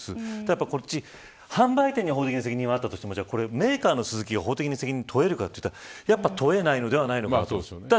ただ販売店に法的な責任はあったとしてもメーカーのスズキに法的な責任を問えるかというとやっぱり問えないのではないか。